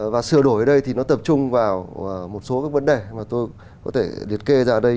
và sửa đổi ở đây thì nó tập trung vào một số các vấn đề mà tôi có thể điệt kê ra đây